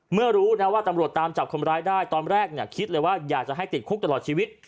รู้นะว่าตำรวจตามจับคนร้ายได้ตอนแรกคิดเลยว่าอยากจะให้ติดคุกตลอดชีวิต